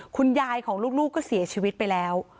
คุณยายของลูกก็เสียชีวิตไปแล้ว